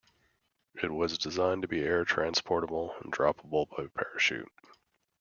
It was designed to be air-transportable and droppable by parachute.